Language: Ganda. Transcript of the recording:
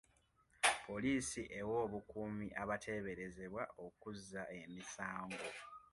Poliisi ewa obukuumi abateeberezebwa okuzza emisango.